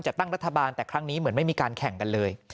ตั้งรัฐบาลแต่ครั้งนี้เหมือนไม่มีการแข่งกันเลย